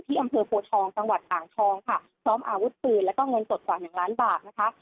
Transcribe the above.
ที่อำเภอโภทองจังหวัดอ่างทองซ้อมอาวุธปืนและเงินสดกว่า๑ล้านบาท